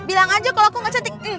bilang aja kalau aku gak cantik